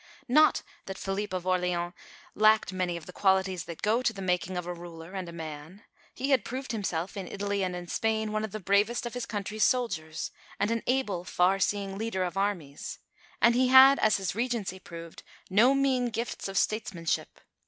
Not that Philippe of Orleans lacked many of the qualities that go to the making of a ruler and a man. He had proved himself, in Italy and in Spain, one of the bravest of his country's soldiers, and an able, far seeing leader of armies; and he had, as his Regency proved, no mean gifts of statesmanship.